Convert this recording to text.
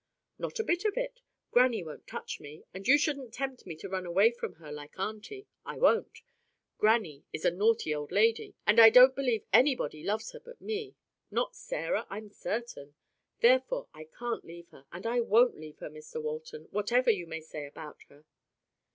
"Not a bit of it. Grannie won't touch me. And you shouldn't tempt me to run away from her like auntie. I won't. Grannie is a naughty old lady, and I don't believe anybody loves her but me—not Sarah, I'm certain. Therefore I can't leave her, and I won't leave her, Mr Walton, whatever you may say about her."